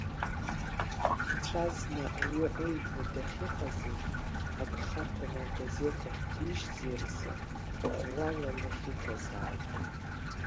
Ицәазна аҩы ыжәны дахьыҟази, агха аҭаны агазеҭ ахьҭижьзи рзы ӷәӷәала лахь иҭазааит.